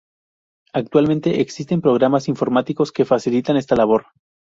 Actualmente existen programas informáticos que facilitan esta labor.